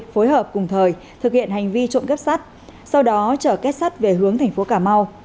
phối hợp cùng thời thực hiện hành vi trộm cắp sắt sau đó trở kết sắt về hướng thành phố cà mau